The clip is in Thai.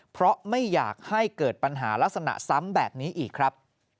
เพราะไม่อยากให้เกิดปัญหาลักษณะซ้ำแบบนี้อีกครับ